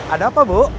ada apa bu